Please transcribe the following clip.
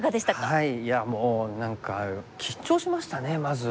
いやもう何か緊張しましたねまず。